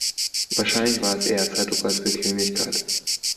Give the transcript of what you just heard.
Wahrscheinlich war es eher Zeitdruck als Bequemlichkeit.